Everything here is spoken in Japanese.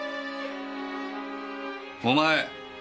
お前！